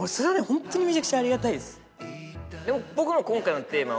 ホントにめちゃくちゃありがたいです。